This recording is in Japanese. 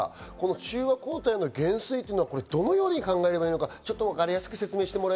中和抗体の減衰というのは、どのように考えればいいのかわか